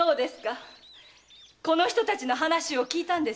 この人たちの話を聞いたんですね。